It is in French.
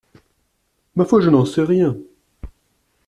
Ma foi, je n’en sais rien.